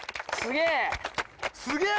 すげえ！